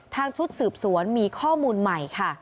ชุดสืบสวนมีข้อมูลใหม่ค่ะ